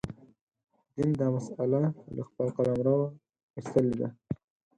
دین دا مسأله له خپل قلمروه ایستلې ده.